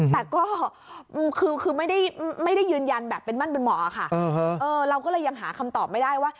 แต่ก็คือไม่ได้ยืนยันแบบเป็นมั่นเป็นหมอค่ะเราก็เลยยังหาคำตอบไม่ได้ว่า